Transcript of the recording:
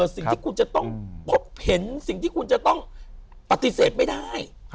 สิ่งที่คุณจะต้องพบเห็นสิ่งที่คุณจะต้องปฏิเสธไม่ได้